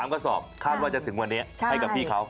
กระสอบคาดว่าจะถึงวันนี้ให้กับพี่เขา